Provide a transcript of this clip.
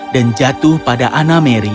dan jatuh pada anna maria